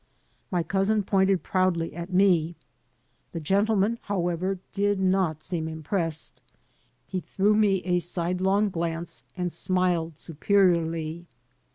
My cousin pointed proudly at me. The gentleman, however, did not seem impressed. He threw me a sidelong glance and smiled superiorly.